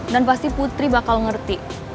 dan pasti putri bakal ngerti